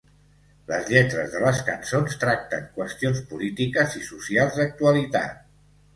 Les lletres de les cançons tracten qüestions polítiques i socials d'actualitat.